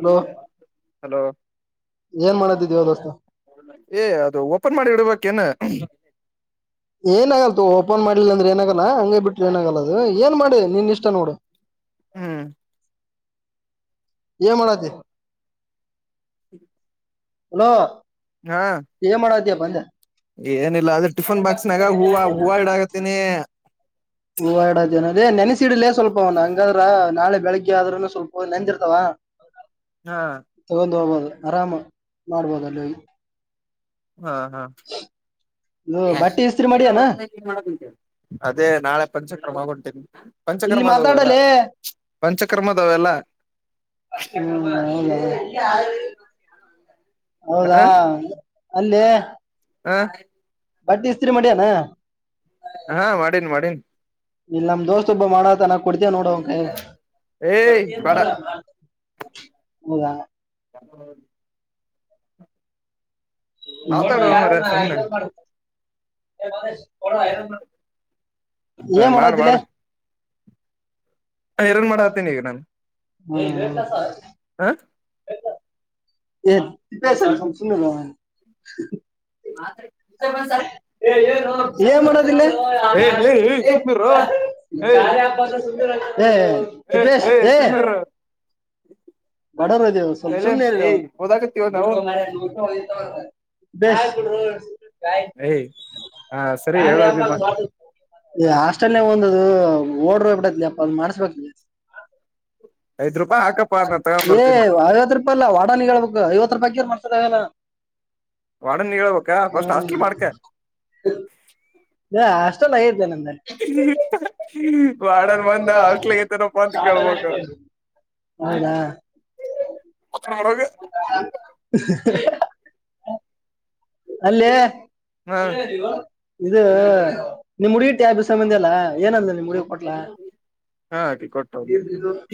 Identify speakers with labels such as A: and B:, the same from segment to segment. A: Hello
B: hello
A: ಏನ್ ಮಾಡಿದ್ದಿದೀ ಒಂದಷ್ಟು
B: ಏ ಅದು ಓಪನ್ ಮಾಡಿ ಬಿಡ್ಬೇಕಕ್ ನ್
A: ಏನಾಗಗಲ್ತು ಓಪನ್ ಮಾಡಲಿಲ್ಲ ಅಂದ್ರೆ ಏನಾಗಲ್ಲ ಹಂಗಗೆ ಬಿಟರು ಏನಾಗಲ್ಲ ಅದು ಏನ್ ಮಾಡಿ ನಿನ್ ಇಷ್ಟ ನೋಡು
B: ಹ್ಮ್
A: ಏನ್ ಮಾಡತಿ
B: ಹ್ಮ
A: ಹಲೋ ಏ ಮಾಡತಯಪ್ಪ ಅಂದೆ
B: ಏನಿಲ್ಲ ಆದ್ರೆ ಟಿಫನ್ ಬಾಕ್ಸ್ ನಾಗ ಹೂವು ಹೂವು ಹಡಾಕತೀನಿ
A: ಹ ಎರಡು ಜನ ಅದೇ ನೆನೆಸಿಡ್ಲೇ ಸ್ವಲ್ಪ ಹಂಗಾದ್ರ ನಾಳೆ ಬೆಳಿಗ್ಗೆ ಆದ್ರ್ ಸ್ವಲ್ಪ ನೆಂಂದಿರ್ತಾವ
B: ಹಾ
A: ತಗೊಂಡ್ ಹೋಗ್ಬೋದು ಆರಾಮ ಮಾಡ್ಬೋದು ಅಲ್ಲಿ
B: ಹಾ ಹಾ
A: ಹ ಬಾಟ್ಟಿ ಇಸ್ತ್ರಿ ಮಾಡಿಯನಾ
B: ಅದೇ ನಾಳೆ ಪಂಚಕ್ರಮ ಆಗಟೇನಿ
A: ಇಲ್ಲಿ
B: ಪಂಚಕರ್ಮದವುಲ್ಲ
A: ಮಾತಾಡಲೇ
B: ಪಂಚಕರ್ಮದವೆಲ್ಲ
A: [inaudible] ಹೌದಾ
B: ಹ
A: ಅಲ್ಲಿ
B: ಆ
A: ಬಡ್ಡಿ ಇಸ್ತ್ರಿ ಮಡ್ಯಾನ
B: ಹಾ ಮಾಡೀನ್ ಮಾಡೀನ್
A: ಇಲ್ಲಿ ನಮ್ ದೋಸ್ತ ಒಬ್ಬ ಮಾಡತನ ಕೊತೇ ನೋಡ
B: ಏಯ್ ಬೇಡ
A: ಹೌದಾ
B: ಯ ನತಾಡ ಅಾರ ಸನೆ ಹ
A: ಏನ್
B: ಮಾಡ
A: ಮಾಡತ್ತಿಲ್ಲ
B: ಮಾಡಾ
A: ಏನ್
B: ಎರನ್ ಮಾಡ ಹತೀನಿ ಈಗ ನಾನ್ ಹಾ
A: ಎಏ ದಪಕ ಸು
B: ಹ್ಮ
A: ಮಾಡೋದಿಲ್ಲ
B: ಹೇಳ ಹೇಳ
A: ಹ ಕಪೇಶ್
B: ಏ ಏ ತಿಮ್ಮಿರು
A: ಹ ಬಡವರ್ ಅದವಿ ಸ್ವಲ್ಪ ಸುಮ್ಮನೆ
B: ಸೈಲೆನ್ಸ್
A: ಇರು
B: ಏಯ್ ಓದಾಕತ್ತೀವೋ ನಾವು ಏಯ್ ಹಾ ಸರಿ ಹೇಳು ಅಭಿಮಾ
A: [unintelligible] ಹಾಸ್ಟೆಲ್ ನ ಒಂದದು ಓಡ್ರರು ಹೋಗ ಬಿಡತ್ಲಿ ಅಪ್ಪ ಅದ್ ಮಾಡ್ಸ್ಬೇಕ
B: ಐದ ರೂಪಾಯಿ ಹಾಕಪಾ ನಾ ತಗೊಂಡ್ ಬರ್ತನಿ
A: ಐವತ್ತು ರೂಪಾಯ ಅಲ್ಲಾ ವಾರ್ಡನ್ ಹೇಳಬೇಕು ಐವತ್ತು ರೂಪಾಯಿಕಿರ್ ಮಾಡಸದಗಲ್ಲ
B: ವಾರ್ಡನ್ ಹೇಳ್ಬಬೇಕ ಫಸ್ಟ್ ಹಾಸ್ಟಲ್ ಮಾಡಕ
A: ಎ ಹಾಸ್ಟೆಲ್ ಆಗೇತಿ ನಮ್ದ್
B: ವಾರ್ಡನ್ ಬಂದ ಹಾಸ್ಟೆಲ್ ಐತೇನಪ್ಪಾ ಅಂತ ಕೇಳ್ಬೇಕು
A: [unintelligible] ಹೌದಾ
B: [unintelligible]
A: [inaudible] ಅಲ್ಲೇ
B: ಹ್ಮ
A: ಇದು ನಿಮ್ ಹುಡುಗಿ ಟ್ಯಾಬ್ ಇಸ್ಕೊ ಬಂದೆಲ್ಲ ಏನಂದಲ ನಿಮ್ ಹುಡುಗಿ ಕೊಟ್ಲಾ
B: ಹಾ ಆಕಿ ಕೊಟ್ಟ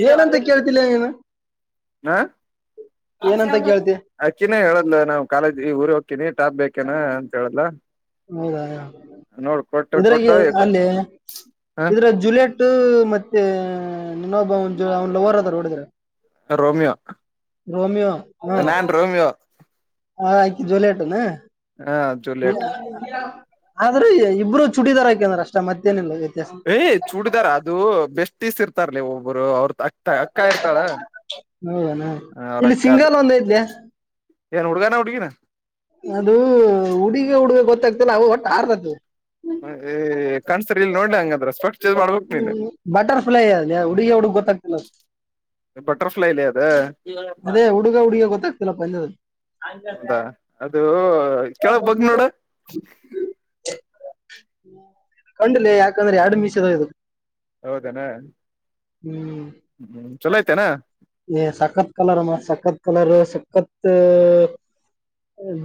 A: ಏನಂತ ಕೇಳ್ತಿ ಲೇ ನೀನು
B: ಹಾ
A: ಏನಂತ
B: [unintelligible]
A: ಕೇಳ್ತಿ
B: ಅಕ್ಕಿನ ಹೇಳದಲ್ಲ ನಾವು ಕಾಲೇಜ್ ಈ ಊರಿಗೆ ಹೋಕ್ಕಿನಿ ಟಾಪ್ ಬೇಕೇನಾ ಅಂತ ಹೇಳದಲ.
A: ಹೌದ ಇದ್ರಗ
B: ಕೊಟ್ಟ
A: ಅಲ್ಲೇ
B: ಹ
A: ಇದ್ರ ಜುಲಟ್ ಮತ್ತೆ ಇನ್ನೊಬ್ಬ ಅವನ್ ಜೋ ಲವರ್ ಅದರ ನೋಡ ಇದರಾಗ್
B: ರೋಮಿಯೋ
A: ರೋಮೋಯೋ ಹ್ಮ
B: ನಾನ್ ರೋಮಿಯೋ
A: ಹಾ ಅಕಿ ಜೂಲಿಟನ್
B: ಹ ಜೂಲಿಯಟ್
A: ಆದರೂ ಇಬ್ಬರು ಚುಟಿದಾರ ಹಂಕೇದಾರ ಅಷ್ಟ ಮತ್ತೇನಿಲ್ಲ ವ್ಯತ್ಯಾಸ
B: ಏ ಚೂಡಿದಾರ ಅದು ಬೆಸ್ಟ್ಟೀಸ್ ಇರ್ತಾರ ಲೇ ಒಬ್ಬರು ಅವ್ರ ಅಕ್ಕ ಇರ್ತಾಳ
A: ಹೌದನಾ
B: ಹ
A: ಇಲ್ಲಿ
B: ಅವರಕ್ಕ ಅದು
A: ಸಿಂಗಲ್ ಒಂದ್ ಐತ್ಲೆ
B: ಏನ್ ಹುಡುಗನ ಹುಡುಗಿನ
A: ಅದು ಹುಡುಗ ಹುಡುಗಿ ಗೊತ್ತಾಗ್ತಿಲ್ಲ ಅವವು ಒಟ್ಟ ಆರ್ತುತಿ
B: ಏ ಕಾಣ್ಸ್ತ ಇಲ್ ನೋಡ್ಲಿ ಹಂಗಂದ್ರ ಸ್ಪೆಕ್ಟ್ ಚೇಂಜ್ ಮಾಡ್ಬೇಕ್ ನೀನು
A: ಬಟರ್ಫ್ಲೈ ಅದ ಹುಡುಗ ಹುಡುಗಿ ಗೊತ್ತಾಗತ
B: ಬಟರ್ಫ್ಲೈಲಿ ಅದ
A: ಅದೇ ಹುಡುಗ ಹುಡುಗಿ ಗೊತ್ತಾಗ್ತಿಲ್ಲ ಪಂದ್ಯಅದ್ದ
B: ಹೌದಾ ಅದು ಕೆಳಗ ಬಗ್ ನೋಡ
A: ಕಂಡ ಲೇ ಯಾಕಂದ್ರೆ ಎರಡು ಮಿಷಿದವ ಇದಕ
B: ಹೌದನಾ
A: ಹ್ಮ್
B: ಹ್ಮ್ ಚಲೋ ಐತೇನ
A: ಸಖತ್ ಕಲರ್ ಮ ಸಖತ್ ಕಲರ್ ಸಖತ್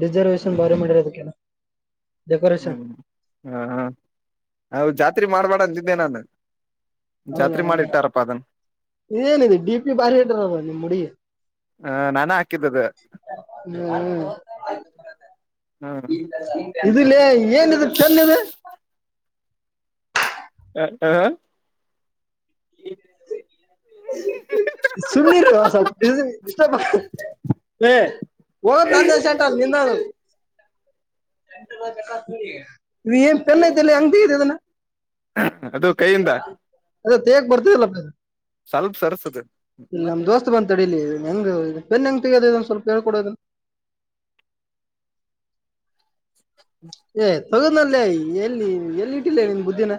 A: ರಿಸರ್ವೇಶನ್ ಭಾರಿ ಮಾಡಿರ ಇದಕ್ಕೆ
B: ಹ್ಮ್ ಹಾ ಹಾ ಹೌದ ಜಾತ್ರೆ ಮಾಡಬೇಡ ಅಂದಿದ್ದೆ ನಾನು ಜಾತ್ರೆ ಮಾಡಿಟ್ಟಾರಪ್ಪ ಅದನ್
A: ಇದ ಏನದ ಡಿ ಪಿ ಬಾರಿ ಇಟ್ಟರಲ್ಲ ನಿಮ್ ಹುಡಿಗಿ
B: ಹ ನಾನ ಹಾಕಿದ್ದದ
A: ಹ್ಮ್ ಹು ಇದ ಲೇ ಏನ ಇದ ಪೆನ್ನ ಇದ
B: ಹ್ಮ ಹ್ಮ್್ಮ [unintelligible]
A: ಸುಮ್ನಿರೋ ಸ್ವಲ್ಪ ಡಿಸ್ಟರ್ಬ್ ಆಗ ಹ ನಂದೇಶಂಟ ನಿನ್ನ ಎ ಬ ತಕ ನೀ ಏನ್ ಪೆನ್ ಐತೆಲ್ಲಿ ಹಂಗ ತಗದ ಅದನ್ನ
B: ಅದು ಕೈಯಿಂದ
A: ಅದೇ ತೇಗ ಬರ್ತಲ್ಲ
B: ಸ್ವಲ್ಪ ಸರ್ರಿಸಸದೆ
A: ಇಲ್ಲಿ ನಮ್ ದೋಸ್ತ್ ಬಂತ ಅಡ ಇ ಹೆಂಗ ಪೆನ್ ಹೆಂಗ ತಗೋದ ಇದ್ ಸ್ವಲ್ಪ ಹಳ್ಕ ಕೊಡೋದ
B: ಹ್ಮ
A: ಏ ತಗದ್ಲ್ಲೇ ಎಲ್ಲಿ ಎಲ್ಲಿ ಇಟ್ಟಿಲ್ಲೇ ನಿನ್ ಬುದ್ದಿನ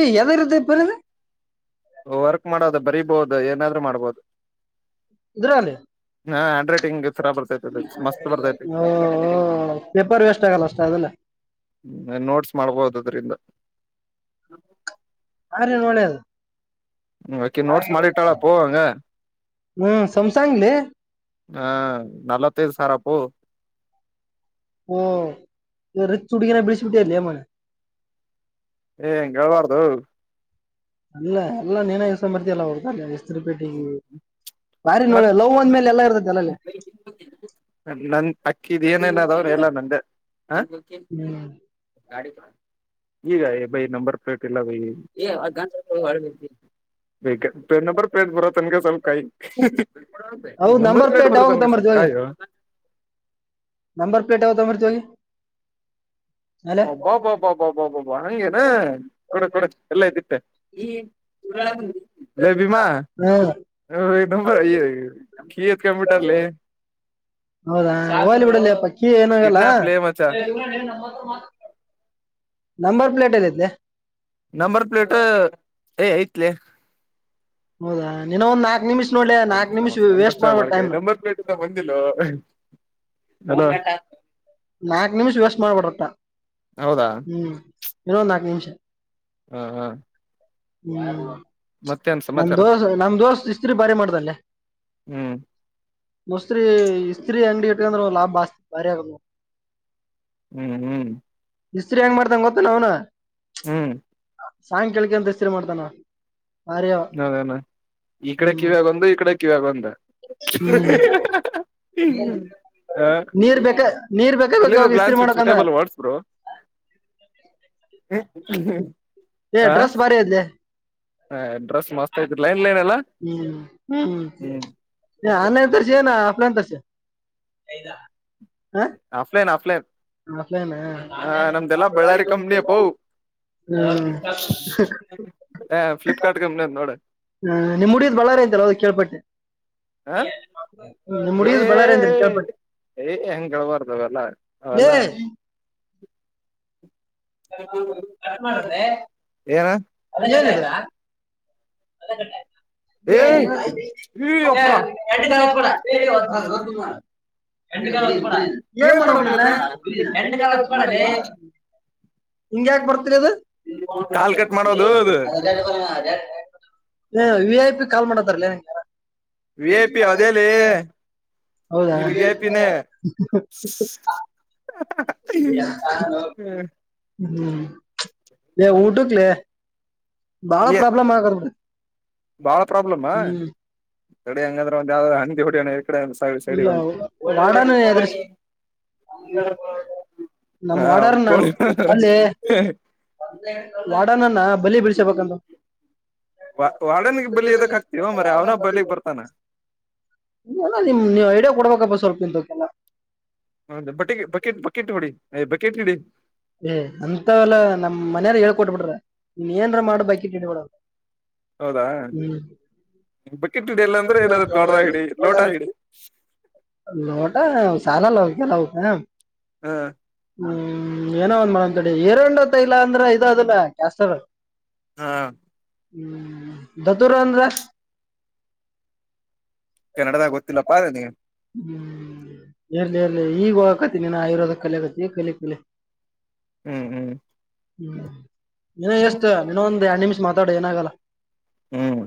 A: ಏ ಯದ ಇ್ದ ಬರದು
B: ವರ್ಕ್ ಮಾಡೋದು ಬರಿಬಹುದು ಏನಾದ್ರು ಮಾಡ್ಬೋದು
A: ಇದಧ್ರಲ್ಲಿ
B: ಹಾ ಹ್ಯಾಂಡ್ ರೈಟಂಗ್ ಸರಾ ಬತ
A: ಓ ಪೇಪರ್ ವೇಸ್ಟ್ ಆಗಲ್ಲ ಅಷ್ಟೇ ಅದೆಲ್ಲ
B: ಹ್ಮ ನೋಟ್ಸ್ ಮಾಡ್ಬೋದು ಅದ್ರಿಂದ
A: ಆ ರೇ ನೋಳ್ಳೆಯದು
B: ಆಕಿ ನೋಟ್ಸ್ ಮಾಡಿಟ್ಟಾಳಪ್ಪೋ ಹಂಗ
A: ಹ್ಮ್ ಸಮಸಂಗಲಿ
B: ಹ್ಮ ನಲತ್ತೈದು ಸಾರ್ ಅಪ್ಪು
A: ಓ ರತ್ ಚುಡುಗನ ಬಿಳಿಸಿಬಿಟ್ಟಿ ಅಲ್ಲಿಲಿಮ್ಮನೆ
B: ಏ ಹೆಂಗಗೆೇಳ್ಬಾರ್ದು
A: ಅಲ್ಲ ಎಲ್ಲಾ ನೇನ ಇಸ ಬರ್ತ ಎಲ್ಲ ಹೊರ್ತ ಎಸ್ರಿಪೇಟೆೆಗೆ ಬಾರಿ ನೋ
B: ಮತ್
A: ಲವ್ಂದ ಮೇಲೆಲ್ಲ ಇತತ್ತದೆಲ್ಲಲ್ಲಿ
B: ನನ್ ಅಕ್ಕಿದ್ ಏನನ ಅದ ಅವ್ ಎಲ್ಲ ನಂದೆ
A: ಹ್ಮ್
B: ಈಗ ಬೈ ನಂಬರ್ ಹಟ್ಟಿಲ್ಲ ಬ ಪ್ಲೇಟ್ ಬರೋ ತನ್ಗೆ
A: ಹೌದ್
B: ಸ್ವಲ್ಪಾಯಿೊಂಬರ್
A: ನಂಬರ್
B: ಪ್ಲೇಟ್ ಬರ
A: ಯಾವಾಗ
B: ತನ್ಗೆ ಸ್ವಲ್ಪ
A: ತಗೊಂಬರ್ತೀವಿ ಹೋಗಿ
B: ಕಾಯ
A: ನಂಬರ್ ಪ್ಲೇಟ್ ಯಾವತ್ತ ಮರ್ತಿ
B: ಒ ಬಾ ಬಾ ಬಾ ಬಾ ಬಾ ಬಬ ಹಂಗೇನಾ ಕೊಡ ಕೊಡ ಎಲ್ಲ ಇದ್ದಿಟ್ಟೆ ಈ ಸ ಲೇಬಿಮ್ಮ
A: ಹ್ಮ್
B: ಹ ನಂಬರಯ್ಯ ಕೀ ಎತ್ ಕಪಿಟರ್ಲ್ಲಿ
A: ಹೌದಾ ಅವಾಲಿ ಬಿಡಲ್ಲ ಪಕ್ಕಿ ಏನಾಗಲ್ಲ
B: ಕಿಡ್ನಾಪ್ ಲೇ ಮಚ್ಚ
A: ನಂಬರ್ ಪ್ಲೇಟ್ ಏನಿದ್ದೆ
B: ನಂಬರ್ ಪ್ಲೇಟ್ ಏ ಐತ್ಲ
A: ಹೌದಾ ನೀನ ಒಂದ ನಾಲ್ಕ್ ನಿಮ್ ನೋಡ್ ನಾಕಕ್ ನಿಮಿಷ ವೇಸ್ಟ್ ಮಾಡಬೇ ಟೈ್
B: ಬಂದಿಲ್ಲ
A: ನಾಲ್ಕ್ ನಿಮಿಷ ವ್ಯಸ್ ಮಾಡಬಡತ್ತಾ
B: ಹೌದಾ
A: ಹ್ಮ್ ಇನ್ನೊಂದ ಹಾಕ ನಿಮಿಷ
B: ಹಾ ಹಾ
A: ಹ್ಮ ನಮ
B: ಸಮಾಚಾರ
A: ದೋಸ ನಮ ದೋಸ್ ಇಸ್ತ್ರಿ ಬಾರಿ ಮಾಡ್ದಲ್ಲೆ
B: ಹ್ಞೂ
A: ಮಸ್ತ್ರಿ ಇ ಸ್ತ್ತ್ರರಿ ಅಂಗಡಿ ಇಟ್ಕಂದ್ರೆ ಒ ಲಾಭ ಆಸ್ತಿತ್ ಬಾರಿ ಆಗ
B: ಹ್ಮ್ ಹ್ಮ್
A: ಹೆಸ್ ಹೆಂಗ್ ಮಾಡ್ತಂಗ ಗೊತ್ತ ನ ಅವ್ನು
B: ಹ್ಮ್
A: ಸಾಯಂ ಕಳಿಕಂತ ಮಾಡ್ತಾನ ಬಾರಿ ಅವ.
B: ನೇಣ ಈ ಕಡೆ
A: ಹ್ಮ್
B: ಕಿವಿ ಆಗೊಂದು ಈ ಕಡೆ ಕಿವಿ ಆಗೊಂದ
A: ಹ್ಮ್
B: ಹ
A: ನೀರ್ ನೀರ್ ಬೇಕ ಬೇಕ
B: ಇಲ್ಲ
A: ಅವಾಗ ಇಸ್ತ್ರಿ
B: ಪ್ಲಾನ್ ಸಿ
A: ಮಾಡಕಂದ್ರ
B: ಸೂಟೇಬಲ್ ಮಾಡಸರು
A: ಏ
B: ಆ
A: ಡ್ರೆಸ್ ಬಾರಿ ಐತ್ಲೆ
B: ಹಾ ಡ್ರೆಸ್ ಮಸ್ತತ್ ಐ್ ಲೈನ್ ಲೈನ್ ಎಲ್ಲಾ
A: ಹ್ಮ ಹ್ಮ್ಮ ಆನ್ಲೈನ್ ತಸ ಆಫ್ಲೈನ್ ತ ಹ
B: ಆಫ್ಲೈನ್ ಆಫ್ಲೈನ್
A: ಆಫ್ಲೈನ್ ಹ್ಮ್
B: ಹ ನಮ್ದೆಲ್ಲಾ ಬಳ್ಳಾರಿ ಕಂಪ್ನಿಯ ಪ
A: ಹ್ಮ್
B: ಹ ್ಲಿಪ್ಕಾರ್ಟ್ ಕಂಪ್ನಿಯ ನೋಡ
A: ಹ ನಿಮ್ುಡಿದ್ ಬಾರ ಅಂತಲ್ಲ ಅದಕ್ಕೆ ಕೇಳ್ಪಟ್ಟೆ
B: ಹಾ
A: ನಿಮ್
B: ಏ
A: ಹುಡಿದ್ ಬಳ್ಳಾರಿ ಅಂತ ಕೇಳ್ಪಟ್ಟೆ
B: ಏ ಹೆಂಗಬಾರ್ದ್ಲ್ಲ
A: ಲೇ
B: ಅವೆಲ್ಲ ಏನ
A: ಅದ
B: ಏಯ್ ಈ ಅಪ್ಪ
A: ಎಟಾವಡ ಮಾಡ ಹೆಟು ಕಾಲ ಹೊತ್ತು ಮಾಡ ಏನ್
B: ಏನ್
A: ಮಾಡಿಂದ
B: ಮಾಡ್ಬೇಕ್
A: ಹೆಟು
B: ಇದ್ನ
A: ಕಾಲ ಹೊತ್ತು ಮಾಡಲಿ ಹಿಂಗ ಯಾಕ ಬರ್ತರಿ ಅದು
B: ಕಾಲ್ ಕಟ್ ಮಾಡೋದು ಅದು
A: ವಿ ಐ ಪಿ ಕಾಲ್ ಮಾಡತಾರಲ್ಲಂಗಗೆಾರ
B: ವಿ ಐಪಿ ಅದೆಲಿ
A: ಹೌದಾ
B: ನೀನ್ ವಿ ಐಪಿನೇ ಹ್ಮ್ [inaudible]
A: ಹ್ಮ್ ಊಟಕ್ಲೆ ಬಹಳ ಪ್ರಾಬ್ಲಮ ಆಗ
B: ಬಾಳ ಪ್ರಾಬ್ಲಮಾ ಕಡೆ ಹಂಗಂದ್ರೆ ಒಂದ ಯಾವ ಹಿ ಹೊಡಣ ಕಡೆ
A: ಇಲ್ಲ
B: ಸೈಡಿಗೆ ಒಂದ್
A: ಆಾಡಾನ ಅ್ರ ನಮ್ಮ್
B: ಹಾ
A: ವಡರ್
B: ಒಂದ್
A: ನ
B: ಕೋಳಿ
A: ಖಾಲಿ ವಾಡನನ್ನ ಬಲಿ ಬಿಳ್ಸಬೇಕಂದು
B: ವ ವಾಡನ್ಿಗೆ ಬಲಿ ಎದಕ್ ಆಾಕ್ತವ ಮ್ರ ಅವ್ನ ಬಳಗ್ ಬರ್ತಾನ
A: ಇಲ್ಲಲ್ಲ ನಿಮ್ ನೀವು ಐಡಿಯಾ ಕೊಡ್ಬೇಕಪ್ಪ ಸ್ವಲ್ಪ ಇಂತ ಕೆಲ್ಲ
B: ಒ ಬಟ್ಟೆ ಬಕೆಟ್ ಬಕೆಟ್ ನೋಡಿ ಯ್ ಬಕೆಟ್ ಇಡಿ
A: ಏ್ ಅಂತ ಎಲ್ಲಾ ನಮ್ಮ್ನಾರ ಹೇಳ್ಕೊಟ್ಬಿಟ್ರ ನೀನ್ ಏನ್ರ ಮಾಡ ಬೈಕ್ಿಟ್ಟ ಹಡಿಬಿಡಲ್ಲ
B: ಹೌದಾ ಬಕೆಟ್ ಹಿಡಿ ಎಲ್ಲಾ ಅಂದ್ರೆ ಇಲ್ಲಾದ್ರೆ ದೊಡ್ರ ಹಿಡಿ ಲೋಟ ಹಿಡಿ
A: ಲೋಟಾ ಸಾಲಲ್ಲಗೆಲ್ಲ ಹಕಾ
B: ಹಾ
A: ಹ್ಮ್ ಏನೋ ಒಂದ್ ಮಾಡ ಅಂತ ರ್ಂಡ್ತ್ತ ಇಲ್ಲಾ ಅಂದ್ರೆ ಇದು ಅದಲ್ಲ ಕ್ಯಾಸ್ಟರ್
B: ಹಾ
A: ಹ್ಮ ದತುರಂದ್ರಸ್
B: ಕೆನ್ನಡದಾಗ ಗೊತ್ತಿಲ್ಲಪ್ಪ ಅ ನೀಗೆ
A: ಹ್ಮ್ ಇರ್ಲಿ ಇರ್ಲಿ ಈಗ ಹೋಗಕತಿ ನೀನ್ ಆಯುರ್ವೇದ ಕಲಿ ಆಕತಿ ಕಲಿ ಕಲಿ
B: ಹ್ಮ್ ಹ್ಮ್
A: ಇನ್ನ ಎಷ್ಟು ಇನ್ನ ಒಂದೆರಡು ನಿಮಿಷ ಮಾತಾಡಿ ಏನಾಗಲ್ಲ
B: ಹ್ಮ್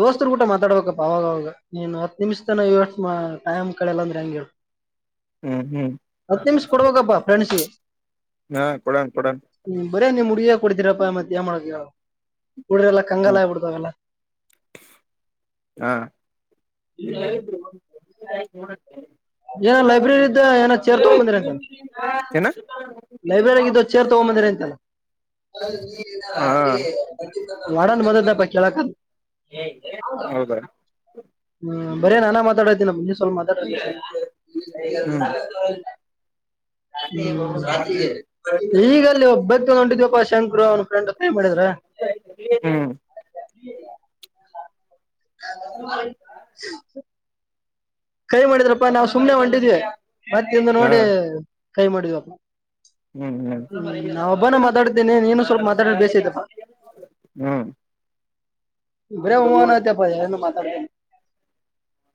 A: ದೋಸ್ತರು ಕೂಡ ಮಾತಾಡ್ಬೇಕಪ್ಪ ಅವಾಗವಾಗ ನೀನು ಹತ್ತು ನಿಮಿಷ ತನ ಟೈಮ್ ಕಡಲ್ಲ ಅಂದ್ರೆ ಹೆಂಗ ಹೇಳ
B: ಹ್ಮ್ ಹ್ಮ್
A: ಹತ್ತು ನಿಮಿಷ ಕೊಡ್ಬೇಕಪ್ಪಾ ಫ್ರೆಂಡ್ಸಗೆ
B: ಹಾ ಕೊಡಣ ಕೊಡಣ
A: ಹ್ಮ್ ಬರೆ ನೀಮ್ ಹುಗಿಗೆ ಕುಡ್ತೀರಪ್ಪಾ ಮತ್ತ ಏನ ಮಾಡದ ಎಳ ಕುಡ್ರಲ್ಲ ಕಂಗಾಲ
B: ಹ್ಮ್
A: ಆಗ್ಬ ಬಿಡ್ತಾಗಲ್ಲ
B: ಹಾ
A: ಏನ ಲೈಬ್ರರಿಂದ ಏನ ಚೇರ್ ತಗೊಂಡಬಂದಿರಾ.
B: ಏನ
A: ಲೈಬ್ರೆರಿಗಿಂದ ಚೇರ ತಗೊಂಬಂದಿರಂತಲ್ಲ. ಅದ ನಿನ್ನೆ ಏನ ರಾತ್ರಿ ಬಂತಿತ್ತಂತ ವಾರ್ಡನ್ ಬಂದಿದ್ದಪ್ಪ ಕೇಳಕ್ಕಂತ.
B: ಏ ಎದಕ್ ಹೌದನ
A: ಹು ಬರೇ ನಾನ ಮಾತಾಡತೀನ ಮುಂದಿನ ಸ್ವಲ್ಪ ಮಾತಾಡ್ರಲೆ. ಹ್ಯಾಪಿ ಬೌ ಸಾಚಿಗೆ. ಈಗ ಅಲ್ಲಿ ಒಬ್ಬಕೆ ಹೊಟಿದೀವಪ್ಪಾ ಶಂಕುರು ಅವ್ನ್ ಫ್ರೆಂಡ್ ಕೈ ಮಾಡಿದ್ರ.
B: ಇಲ್ಲಾ ಈತನ ಹು.
A: ಹ್ಮ [inaudible] ಕೈ ಮಾಡಿದ್ರಪ್ಪಾ ನಾವು ಸುಮ್ನೆ ಹೊಂಟಿದ್ವಿ ಮತ್ತ ಹಿಂದ
B: ಹಾ
A: ನೋಡಿ ಕೈ ಮಾಡಿದ್ವಪ್ಪ.
B: ಹು ಹು
A: ನಾ ಒಬ್ಬಾನ ಮಾತಾಡದ್ದೇನೆ ನೀನು ಸ್ವಲ್ಪಮಾತಾಡಿದ ಬೇಸಯ್ತಪ್ಪ
B: ಹು
A: ಬರೆ ಹು ಅಣ್ಣಾಕತ್ತಿಯಪ್ಪಾ ನಿ ಹೆಂಗ ಮಾತಾಡತಿಯೆನ್.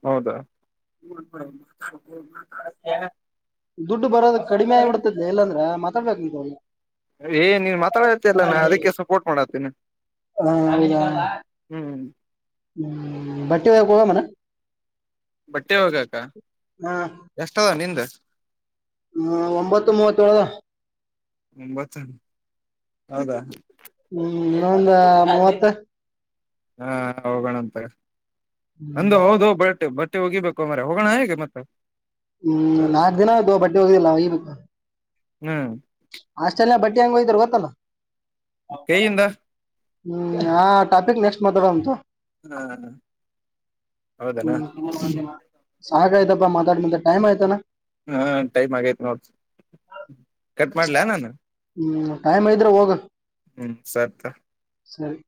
B: ಹೌದ ಹು ಅಂದ ಬಿಡ
A: ದುಡ್ಡು ಬರೋದು ಕಡಿಮೆ ಆಗಿ ಬಿಡತದೆಲ್ಲಂದ್ರೆ ಮಾತಾಡ್ಬೇಕನಿ.
B: ಏ ನೀನ್ ಮಾತಾಡಾಕಟ್ಟಿಯಲ್ಲ ನಾ ಅದಕ್ಕೆ ಸಪೋರ್ಟ್ ಮಾಡಾತ್ತೆನಿ.
A: ಹು ನಾನೀಗ ಬಟ್ಟಿ ಒಗ್ಯಾಕ ಹೋಗುನುನು.
B: ಬಟ್ಟೆ ಒಗ್ಯಾಕಾ.
A: ಹಾ.
B: ಎಷ್ಟದ ನಿಂದ.
A: ಹ್ಹ ಒಂಬತ್ತು ಮೂವತ್ತೇಳ್ದ.
B: ಒಂಬತ್ತು ಹೌದಾ.
A: ಹು ಇನ್ನೊಂದ ಮೂವತ್ತ
B: ಹಾ ಹೋಗೋಣ ಅಂತತಗೋ. ಅಂದು ಹೌದು ಬಟ್ಟೆ ಬಟ್ಟೆ ಹೋಗಿಬೇಕು ಮಾರಾಯಾ ಹೋಗೋಣ ಇಗ ಮತ್ತೆ.
A: ಹು ನಾಲ್ಕ್ ದಿನಾ ಆಯ್ತೋ ಬಟ್ಟೆ ಹೋಗದಿಲ್ಲಾ ಇಗ ಹೋಗ್ಬೇಕು.
B: ಹ.
A: ಹಾಸ್ಟೆಲ್ದಾಗ ಬಟ್ಟಿ ಹೆಂಗ ಹೋಗಿತಾರ್ ಗೊತ್ತಲ್ಲ.
B: ಕೈಯಿಂದ
A: ಹಾ ಟಾಫೀಕ್ ನೆಕ್ಸ್ಟ್ ಮಾತಾಡೋಣ ತೊ.
B: ರರ ಹೌದನಾ
A: ಹ್ಮ್ ಸಾಕಾಯ್ತಪ್ಪಾ ಮಾತಾಡಿ ಮಾತಾಡಿ ಟೈಮ್ ಆತೇನ.
B: ಹಾ ಟೈಮ್ ಆಗೈತ್ ನೋಡ್ ಕಟ್ ಮಾಡ್ಲಾ ನಾನ.
A: ಹು ಟೈಮ್ ಆಗಿದ್ರೆ ಹೋಗ.
B: ಹು ಸರಿ ತೊ.
A: ಸರಿ.